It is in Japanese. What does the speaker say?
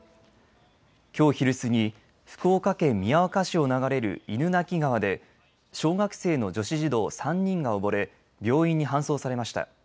きょう昼過ぎ、福岡県宮若市を流れる犬鳴川で小学生の女子児童３人が溺れ病院に搬送されました。